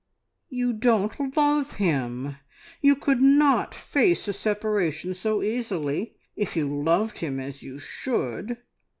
"You don't love him! You could not face a separation so easily if you loved him as you should..."